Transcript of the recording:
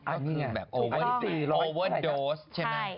อันนี้ไงอันนี้๔๐๐ใช่ไหม